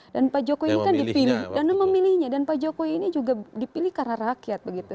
dan pak jokowi ini kan dipilih dan memilihnya dan pak jokowi ini juga dipilih karena rakyat begitu